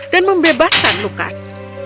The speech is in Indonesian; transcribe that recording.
dan membebaskan lukas